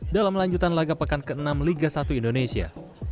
dalam lanjutan laga pekan ke enam liga satu indonesia